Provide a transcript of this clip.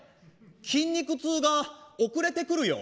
筋肉痛が、遅れてくるよ。